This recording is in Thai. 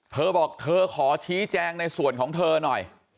เธอบอกเธอขอชี้แจงในส่วนของเธอหน่อย